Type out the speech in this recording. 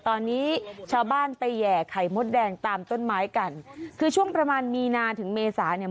ตอนนี้ชาวบ้านไปแห่ไข่มดแดงตามต้นไม้กันคือช่วงประมาณมีนาถึงเมษาเนี่ย